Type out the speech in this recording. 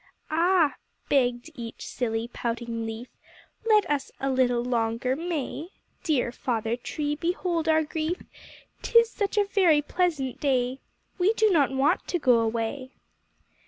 "Ah!" begged each silly, pouting leaf, "Let us a little longer stay; Dear Father Tree, behold our grief; Tis such a very pleasant day We do not want to go away."